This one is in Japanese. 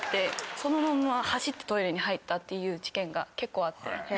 そのまんま走ってトイレに入ったっていう事件が結構あって。